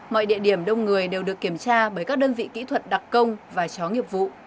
mọi địa điểm đông người đều được kiểm tra bởi các đơn vị kỹ thuật đặc công và chó nghiệp vụ